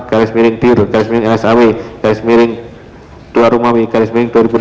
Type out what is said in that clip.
garis miring di rut garis miring lsaw garis miring dua rumawi garis miring dua ribu delapan belas